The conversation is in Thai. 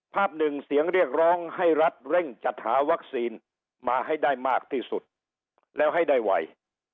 ภาพหนึ่งเสียงเรียกร้องให้รัฐเร่งจัดหาวัคซีนมาให้ได้มากที่สุดแล้วให้ได้ไว